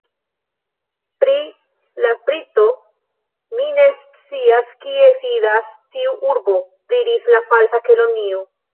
"Pri Lafrito, mi ne scias kie sidas tiu urbo," diris la Falsa Kelonio. "